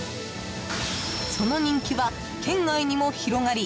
その人気は県外にも広がり